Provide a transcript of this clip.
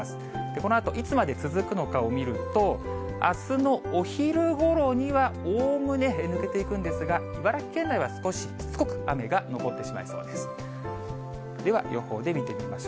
このあといつまで続くのかを見ると、あすのお昼ごろにはおおむね抜けていくんですが、茨城県内は少ししつこく雨が残ってしまいそうです。